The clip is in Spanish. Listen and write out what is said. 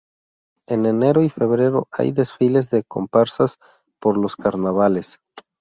En enero y febrero hay desfiles de comparsas por los carnavales.